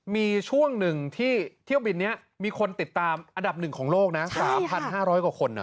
มีช่วงหนึ่งที่เที่ยวบินนี้มีคนติดตามอันดับหนึ่งของโลกนะ๓๕๐๐กว่าคน